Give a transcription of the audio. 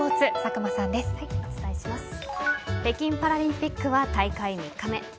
北京パラリンピックは大会３日目。